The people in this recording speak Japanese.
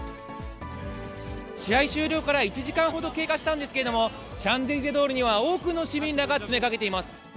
試合終了から１時間ほど経過したんですけれども、シャンゼリゼ通りには多くの市民らが詰めかけています。